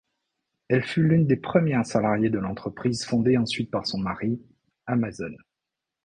Elle fut l'une des premières salariées de l'entreprise fondée ensuite par son mari, Amazon.